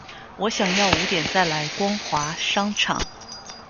我想要五点再来光华商场